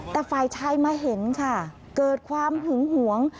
แต่ฝ่ายชายมาเห็นค่ะเกิดความหึงหวง